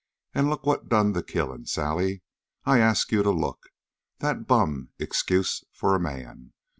And look at what done the killing! Sally, I ask you to look! That bum excuse for a man!